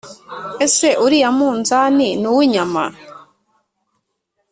ese uriya munzani nuw'inyama?"